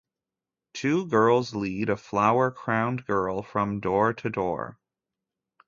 Two girls lead a flower-crowned girl from door to door.